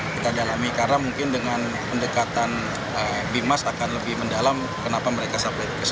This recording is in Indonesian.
kita dalami karena mungkin dengan pendekatan bimas akan lebih mendalam kenapa mereka subjek